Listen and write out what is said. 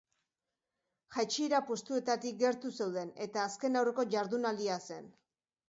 Jaitsiera postuetatik gertu zeuden, eta azken-aurreko jardunaldia zen.